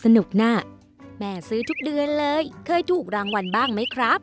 น่ะแม่ซื้อทุกเดือนเลยเคยถูกรางวัลบ้างไหมครับ